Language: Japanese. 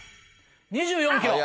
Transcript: ２４キロ。